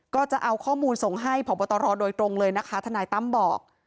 ก็จะเอาข้อมูลส่งให้พบตรโดยตรงเลยนะคะทนายตั้มบอก